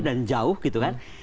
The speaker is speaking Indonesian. dan jauh gitu kan